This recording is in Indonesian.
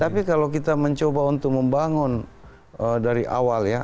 tapi kalau kita mencoba untuk membangun dari awal ya